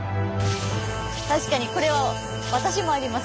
確かにこれは私もあります